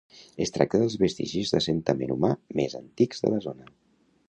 Es tracta dels vestigis d'assentament humà més antics de la zona.